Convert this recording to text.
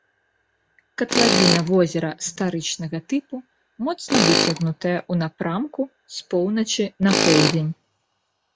Катлавіна возера старычнага тыпу, моцна выцягнутая ў напрамку з поўначы на поўдзень.